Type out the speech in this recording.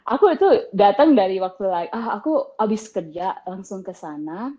aku itu datang dari waktu like aku habis kerja langsung kesana